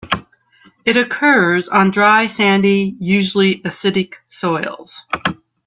It occurs on dry, sandy, usually acidic soils.